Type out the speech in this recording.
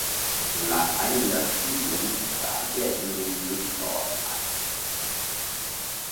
Nach einem Jahr Studium trat er in den Jesuitenorden ein.